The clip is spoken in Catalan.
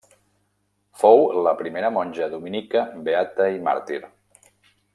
Fou la primera monja dominica beata i màrtir.